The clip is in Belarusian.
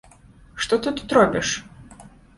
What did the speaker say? Што ты тут робіш?